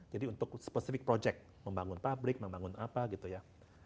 jadi untuk specific project membangun pabrik membangun apa gitu ya